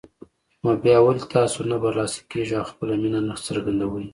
نو بيا ولې تاسو نه برلاسه کېږئ او خپله مينه نه څرګندوئ